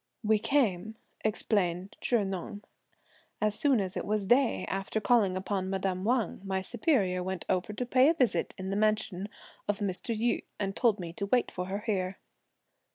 "We came," explained Chih Neng, "as soon as it was day; after calling upon madame Wang, my superior went over to pay a visit in the mansion of Mr. Yü, and told me to wait for her here."